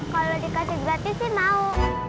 kalau dikasih gratis sih mau